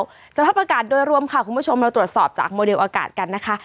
สภาพอากาศโดยรวมค่ะคุณผู้ชมเราตรวจสอบจากโมเดลอากาศกันนะคะ